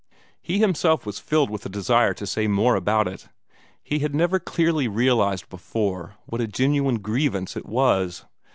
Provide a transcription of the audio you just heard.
He himself was filled with a desire to say more about it. He had never clearly realized before what a genuine grievance it was.